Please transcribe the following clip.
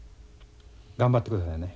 頑張って下さいね。